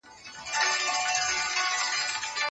انا ته د ماشوم خندا ډېره عجیبه ښکارېده.